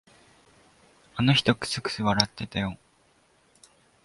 あの人、くすくす笑ってたよ。